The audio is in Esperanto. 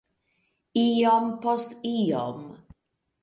Iom post iom.